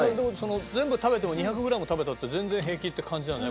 全部食べても２００グラム食べたって全然平気って感じだよね